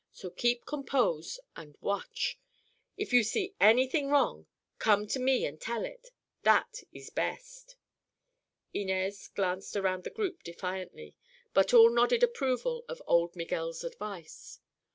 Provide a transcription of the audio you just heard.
So keep compose, an' watch. If you see anything wrong, come to me an' tell it. That ees best." Inez glanced around the group defiantly, but all nodded approval of old Miguel's advice.